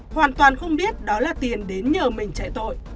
hoàn toàn không biết đó là tiền đến nhờ mình chạy tội